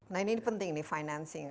nah ini penting nih financing